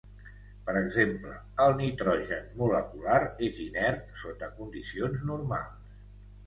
Per exemple el nitrogen molecular és inert sota condicions normals.